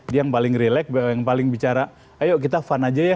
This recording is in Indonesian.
dia yang paling relax yang paling bicara ayo kita fun aja ya